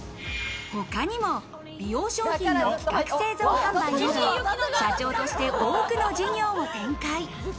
他にも美容商品の企画製造販売や社長として多くの事業を展開。